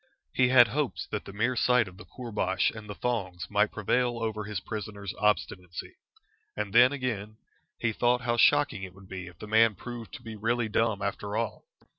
He had hopes that the mere sight of the koorbash and the thongs might prevail over his prisoner's obstinacy. And then, again, he thought how shocking it would be if the man proved to be really dumb after all.